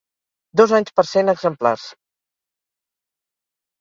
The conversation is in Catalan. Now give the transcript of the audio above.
Dos anys per cent exemplars!